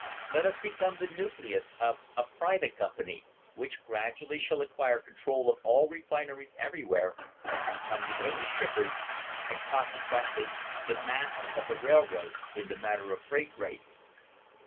Let us become the nucleus of a private company which gradually shall acquire control of all refineries everywhere, become the only shippers, and conse quently the master of the railroads in the matter of freight rates."